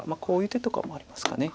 こういう手とかもありますか。